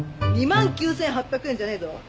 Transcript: ２万９８００円じゃねえぞ。